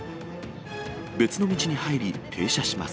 別の道に入り、停車します。